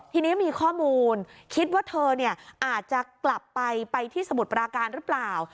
ทีนี้มีข้อมูลคิดว่าเธออาจจะกลับไปไปที่สมุทรปราการหรือเปล่า